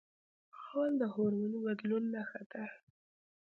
غول د هورموني بدلون نښه ده.